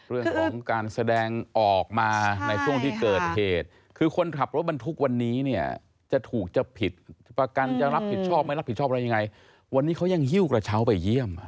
เรื่องของการแสดงออกมาในช่วงที่เกิดเหตุคือคนขับรถบรรทุกวันนี้เนี่ยจะถูกจะผิดประกันจะรับผิดชอบไม่รับผิดชอบอะไรยังไงวันนี้เขายังฮิ้วกระเช้าไปเยี่ยม